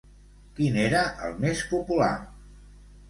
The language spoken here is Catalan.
Quin era el més popular?